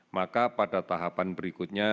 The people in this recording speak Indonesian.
maka pada tahapan berikutnya